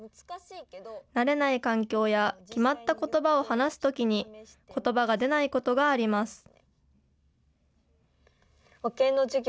慣れない環境や決まったことばを話すときに、ことばが出ないことがあります。